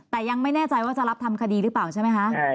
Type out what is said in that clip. แต่ยังไม่แน่ใจว่าจะรับทำคดีหรือเปล่าใช่ไหมคะ